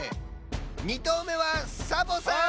２とうめはサボさん！